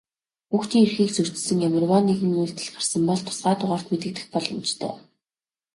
Хүүхдийн эрхийг зөрчсөн ямарваа нэгэн үйлдэл гарсан бол тусгай дугаарт мэдэгдэх боломжтой.